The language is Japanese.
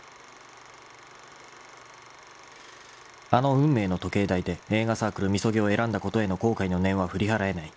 ［あの運命の時計台で映画サークル「ＭＩＳＯＧＩ」を選んだことへの後悔の念は振り払えない。